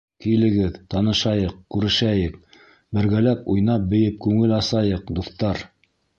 Килегеҙ, танышайыҡ, күрешәйек, бергәләп уйнап-бейеп күңел асайыҡ, дуҫтар!